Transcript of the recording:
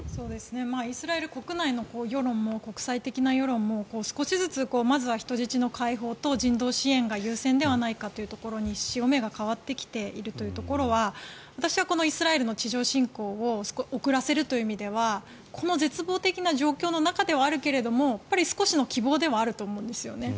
イスラエル国内の世論も国際的な世論も少しずつ、まずは人質の解放と人道支援が優先ではないかというところに潮目が変わってきているというところでは私はイスラエルの地上侵攻を遅らせるという意味ではこの絶望的な状況の中ではあるけれども少しの希望ではあると思うんです。